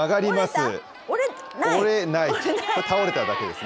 倒れただけですね。